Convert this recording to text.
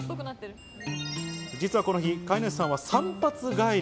実はこの日、飼い主さんは散髪帰り。